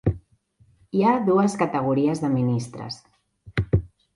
Hi ha dues categories de ministres.